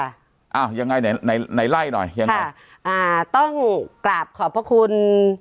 อ้าวยังไงไหนในในไล่หน่อยยังไงค่ะอ่าต้องกราบขอบพระคุณ